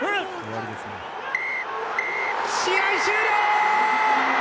試合終了！